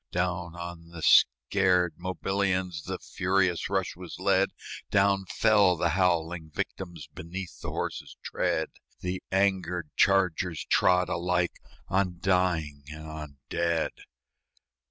Down on the scared Mobilians The furious rush was led; Down fell the howling victims Beneath the horses' tread; The angered chargers trod alike On dying and on dead.